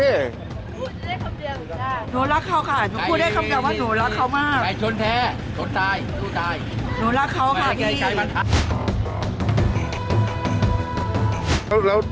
หนูจะได้คำเดียว